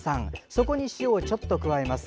そこに塩をちょっと加えます。